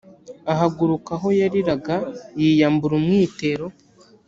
ahaguruka aho yariraga yiyambura umwitero